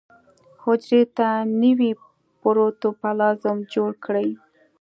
حجرې ته نوی پروتوپلازم جوړ کړي.